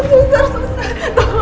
apapun ya suster